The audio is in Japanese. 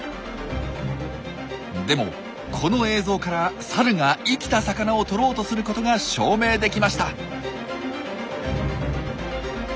でもこの映像からサルが生きた魚をとろうとすることが証明できました！